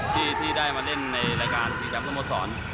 ที่ได้มาเล่นในรายการพี่แชมป์สมสร